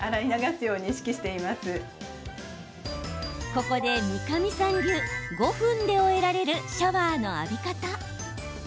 ここで、三神さん流５分で終えられるシャワーの浴び方。